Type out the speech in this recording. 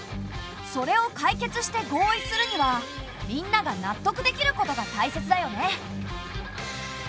それを解決して合意するにはみんなが納得できることがたいせつだよね。